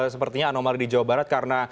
sepertinya anomali di jawa barat karena